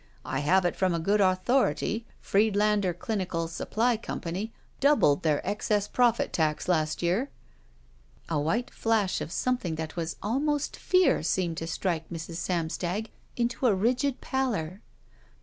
I have it from good authority Fried lander Clinical Supply Company doubled their excess profit tax last year." A white flash of something that was almost fear seemed to strike Mrs. Samstag into a rigid pallor.